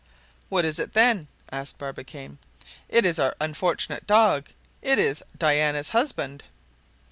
"What is it then?" asked Barbicane. "It is our unfortunate dog! It is Diana's husband!"